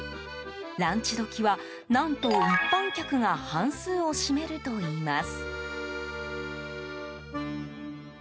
ランチ時は、何と一般客が半数を占めるといいます。